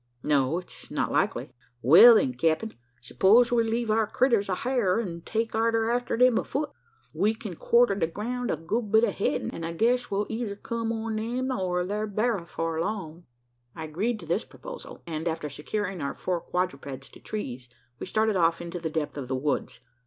"No; it's not likely." "Wal, then, capt'n, s'pose we leave our critters hyar, an' take arter 'em afut? We kin quarter the groun' a good bit ahead; an I guess we'll eyther kum on them or thar berra afore long." I agreed to this proposal; and, after securing our four quadrupeds to trees, we started off into the depth of the woods.